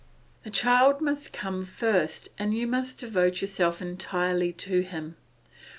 The child must come first, and you must devote yourself entirely to him.